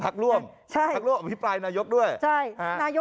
พักร่วมพี่ปลายนายกด้วยใช่พักร่วม